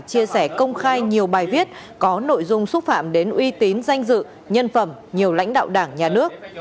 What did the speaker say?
chia sẻ công khai nhiều bài viết có nội dung xúc phạm đến uy tín danh dự nhân phẩm nhiều lãnh đạo đảng nhà nước